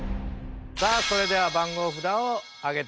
さあそれでは番号札を上げてください。